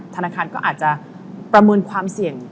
ธนาคารก็อาจจะประเมินความเสี่ยง